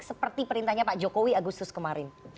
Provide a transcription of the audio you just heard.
seperti perintahnya pak jokowi agustus kemarin